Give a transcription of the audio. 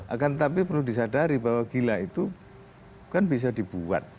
akan tetapi perlu disadari bahwa gila itu kan bisa dibuat